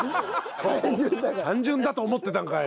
単純だと思ってたんかい！